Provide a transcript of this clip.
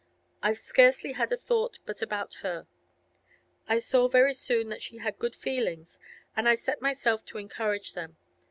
I've scarcely had a thought but about her. I saw very soon that she had good feelings, and I set myself to encourage them.